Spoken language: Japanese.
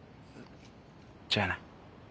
じゃあな。